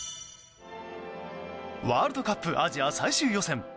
ワールドカップアジア最終予選。